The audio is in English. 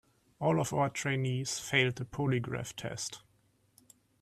All of our trainees failed the polygraph test.